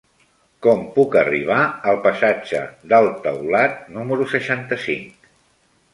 Com puc arribar al passatge del Taulat número seixanta-cinc?